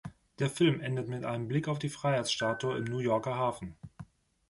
Der Film endet mit einem Blick auf die Freiheitsstatue im New Yorker Hafen.